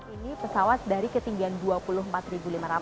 ini pesawat dari ketinggian rp dua puluh empat lima ratus